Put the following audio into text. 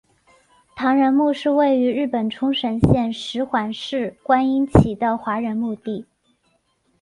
唐人墓是位于日本冲绳县石垣市观音崎的华人墓地。